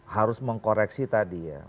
harus mengkoreksi tadi ya